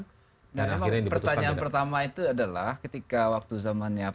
dan pertanyaan pertama itu adalah ketika waktu zamannya pak ahon